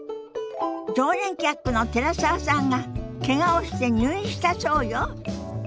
常連客の寺澤さんがけがをして入院したそうよ。